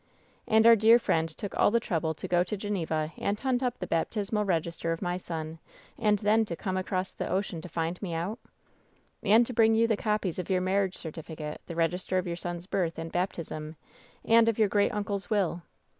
^ "And our dear friend took all the trouble to go to Geneva and hunt up the baptismal register of my son, and then to come across the ocean to find me out V^ "And to bring you the copies of your marriage cer tificate, the register of your son's birth and baptism, and of your greatuncle's will."